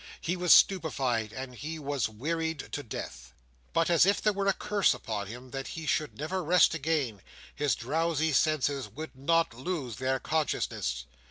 He was stupefied, and he was wearied to death. But, as if there were a curse upon him that he should never rest again, his drowsy senses would not lose their consciousness.